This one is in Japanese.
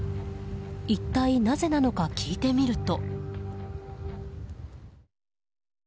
一体なぜなのか、聞いてみると。